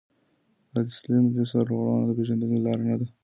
اصل ملي سرغړونه د پیژندني لاره نده.